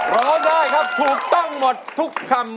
ร้องได้ครับถูกต้องหมดทุกคำ